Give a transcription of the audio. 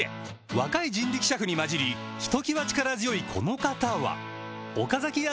若い人力車夫に交じりひときわ力強いこの方は岡崎屋